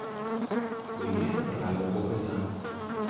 Vaikystę praleido Kaukaze.